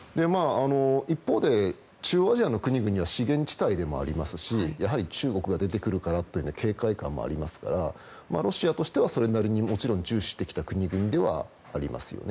一方で、中央アジアの国々は資源地帯でもありますし中国が出てくるからという警戒感もありますからロシアとしては、それなりにもちろん重視してきた国々ではありますよね。